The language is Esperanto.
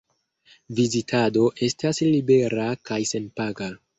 Vizitado estas libera kaj senpaga.